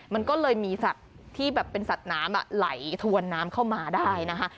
มันก็เลยมีสัตว์ที่แบบเป็นสัตว์น้ำไหลถวนน้ำเข้ามาได้นะคะ